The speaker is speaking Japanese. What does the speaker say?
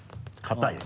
硬い？